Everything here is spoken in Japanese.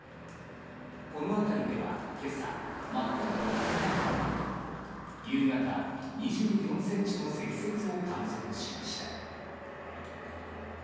この辺りでは今朝全く降っていなかったのに夕方、２４ｃｍの積雪を観測しました。